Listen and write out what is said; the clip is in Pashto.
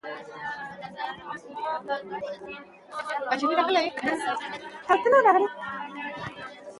ځمکنی شکل د افغانستان د کلتوري میراث برخه ده.